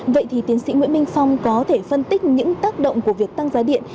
vậy thì tiến sĩ nguyễn minh phong có thể phân tích những tác động của việc tăng giá điện